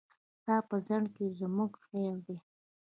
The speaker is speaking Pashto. ستا په ځنډ کې زموږ خير دی.